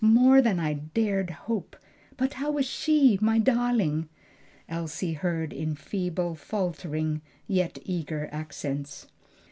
more than I dared hope! But how is she? my darling?" Elsie heard in feeble, faltering, yet eager accents.